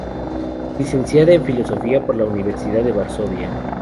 Licenciada en Filosofía por la Universidad de Varsovia.